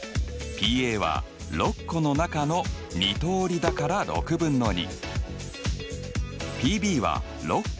Ｐは６個の中の３通りだから６分の３。